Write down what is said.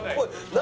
何？